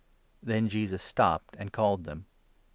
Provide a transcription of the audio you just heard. " Then Jesus stopped and called them.